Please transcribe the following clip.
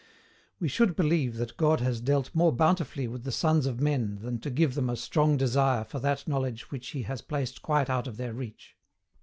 We should believe that God has dealt more bountifully with the sons of men than to give them a strong desire for that knowledge which he had placed quite out of their reach.